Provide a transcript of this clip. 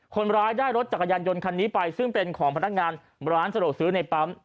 คนร้ายได้รถจักรยานยนต์คันนี้ไปซึ่งเป็นของพนักงานร้านสะดวกซื้อในปั๊ม